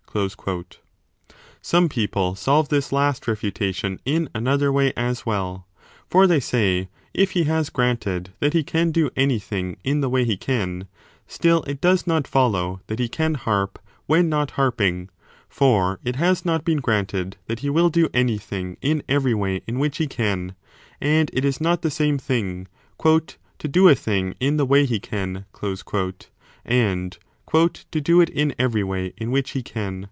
1 Some people solve this last refutation in another way as well. For, they say, if he has granted that he can do anything in the way he can, still it does not follow that he can harp when not harping : for it has not been granted that he will do anything in every way in which he can ; and 30 it is not the same thing to do a thing in the way he can and to do it in every way in which he can